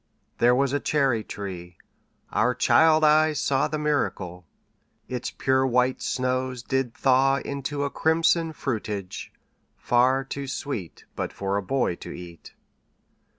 There was a cherry tree our child eyes saw The miracle: Its pure white snows did thaw Into a crimson fruitage, far too sweet But for a boy to eat.